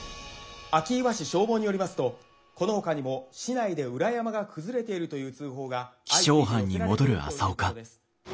明岩市消防によりますとこのほかにも市内で裏山が崩れているという通報が相次いで寄せられているということです。